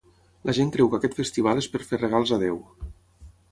La gent creu que aquest festival és per fer regals a Déu.